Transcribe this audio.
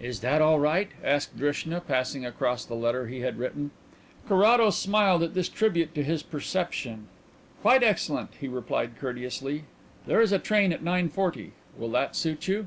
"Is that all right?" asked Drishna, passing across the letter he had written. Carrados smiled at this tribute to his perception. "Quite excellent," he replied courteously. "There is a train at nine forty. Will that suit you?"